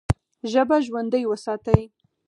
ژبه ژوندۍ وساتئ!